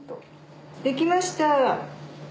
できました。